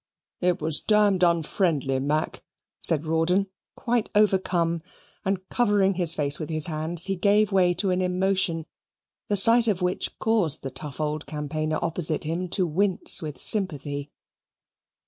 "It was damned unfriendly, Mac," said Rawdon, quite overcome; and, covering his face with his hands, he gave way to an emotion, the sight of which caused the tough old campaigner opposite him to wince with sympathy.